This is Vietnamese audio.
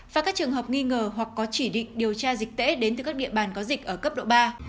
và các trường hợp nghi ngờ hoặc có chỉ định điều tra dịch tễ đến từ các địa bàn có dịch ở cấp độ ba